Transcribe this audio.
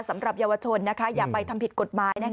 สำหรับเยาวชนอย่าไปทำผิดกฎหมาย